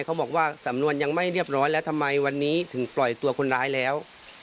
เขาบอกว่าสำนวนยังไม่เรียบร้อยแล้วทำไมวันนี้ถึงปล่อยตัวคนร้ายแล้ว